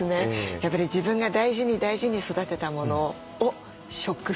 やっぱり自分が大事に大事に育てたものを食すっていうこと。